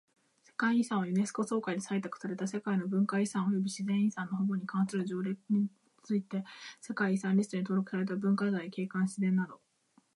世界遺産はユネスコ総会で採択された世界の文化遺産及び自然遺産の保護に関する条約に基づいて世界遺産リストに登録された文化財、景観、自然など。